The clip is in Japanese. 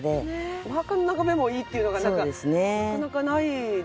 お墓の眺めもいいっていうのがなんかなかなかないですよね。